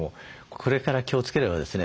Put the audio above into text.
これから気をつければですね